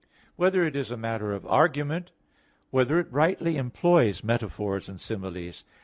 (8) Whether it is a matter of argument? (9) Whether it rightly employs metaphors and similes?